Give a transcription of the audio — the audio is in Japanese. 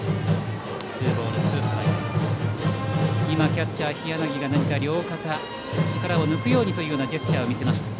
キャッチャー、日柳が両肩、力を抜くようにというジェスチャーを見せました。